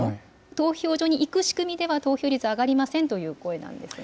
投票所に行く仕組みでは、投票率上がりませんという声なんですが。